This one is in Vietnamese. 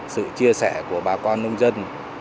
sự chia sẻ của bà con nông dân